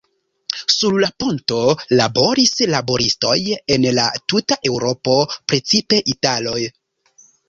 Sur la ponto laboris laboristoj el la tuta Eŭropo, precipe italoj.